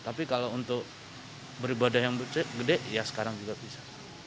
tapi kalau untuk beribadah yang gede ya sekarang juga bisa